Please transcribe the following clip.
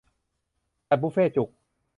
จัดบุฟเฟ่ต์จุก